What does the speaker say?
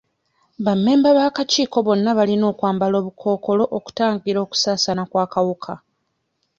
Bammemba b'akakiiko bonna balina okwamba obukookolo okutangira okusaasaana kw'akawuka.